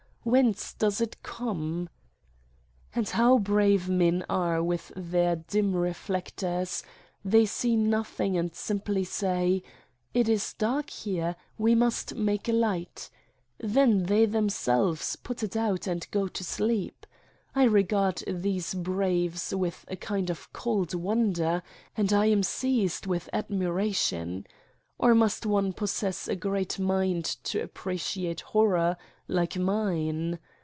Whence does it come? And how brave men are with their dim reflec tors : they see nothing and simply say : it is dark here, we must make a light! Then they them selves put it out and go to sleep. I regard these braves with a kind of cold wonder and I am seized with admiration. Or must one possess a great mind to appreciate horror, like Mine!